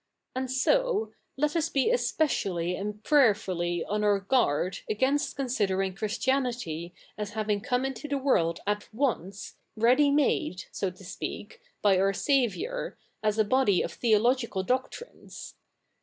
And so, let us be especially and p? ayerfiilly on our guai'd agaifist conside?'ifig Chris tia?iity as having come i?ito the world at once, ready 7?iade, so to speak, by our Saviour, as a body of theological doctrines.